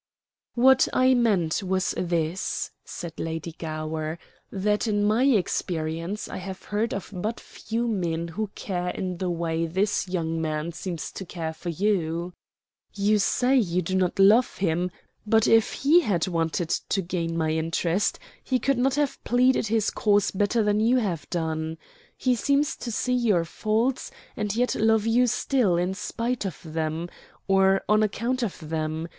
"What I meant was this," said Lady Gower, "that, in my experience, I have heard of but few men who care in the way this young man seems to care for you. You say you do not love him; but if he had wanted to gain my interest, he could not have pleaded his cause better than you have done. He seems to see your faults and yet love you still, in spite of them or on account of them.